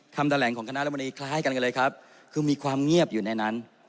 คำแถลงของคณะรัฐมนตรีคล้ายกันกันเลยครับคือมีความเงียบอยู่ในนั้น